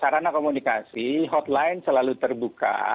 sarana komunikasi hotline selalu terbuka